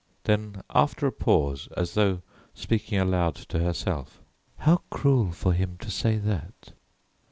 Then after a pause, as though speaking aloud to herself, "How cruel for him to say that!"